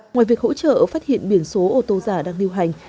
ngoài việc hỗ trợ phát hiện biển số ô tô giả đang điều hành